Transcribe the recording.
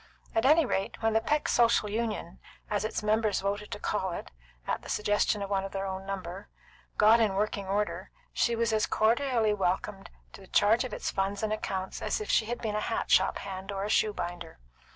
At anyrate, when the Peck Social Union, as its members voted to call it, at the suggestion of one of their own number, got in working order, she was as cordially welcomed to the charge of its funds and accounts as if she had been a hat shop hand or a shoe binder.